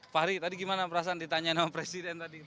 fahri tadi gimana perasaan ditanya sama presiden tadi